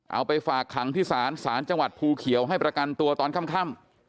เอาไปฝากขังที่ศาลศาลจังหวัดภูเขียวให้ประกันตัวตอนค่ำ